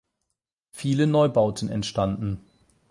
Viele Neubauten entstanden.